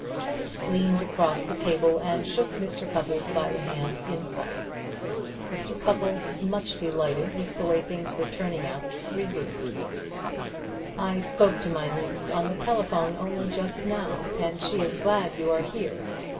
Trent leaned across the table and shook Mr. Cupples by the hand in silence. Mr. Cupples, much delighted with the way things were turning out, resumed: "I spoke to my niece on the telephone only just now, and she is glad you are here.